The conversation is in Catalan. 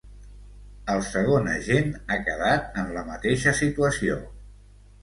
El segon agent ha quedat en la mateixa situació.